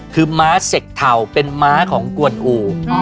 คือม้าเสกเทาเป็นม้าของกวนอู่